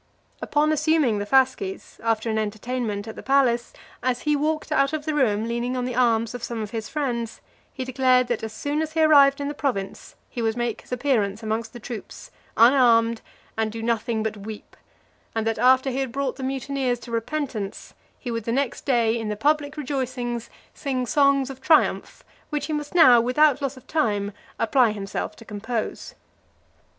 Upon assuming the fasces, after an entertainment at the palace, as he walked out of the room leaning on the arms of some of his friends, he declared, that as soon as he arrived in the province, he would make his appearance amongst the troops, unarmed, and do nothing but weep: and that, after he had brought the mutineers to repentance, he would, the next day, in the public rejoicings, sing songs of triumph, which he must now, without loss of time, apply himself to compose.